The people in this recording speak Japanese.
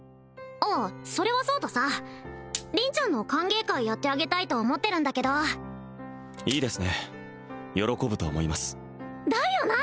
あっそれはそうとさ凛ちゃんの歓迎会やってあげたいと思ってるんだけどいいですね喜ぶと思いますだよな！